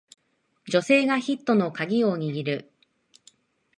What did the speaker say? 女性がヒットのカギを握る